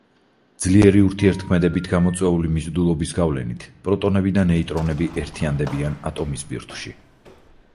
ძლიერი ურთიერთქმედებით გამოწვეული მიზიდულობის გავლენით პროტონები და ნეიტრონები ერთიანდებიან ატომის ბირთვში.